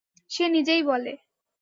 সে নিজেই বলে।